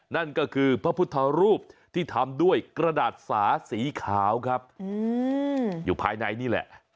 นั่นก็คือพระพุทธรูปที่ทำด้วยกระดาษสาสีขาวครับอยู่ภายในนี่แหละ